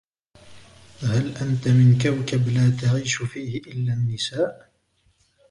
هل أنت من كوكب لا تعيش فيه إلا النساء ؟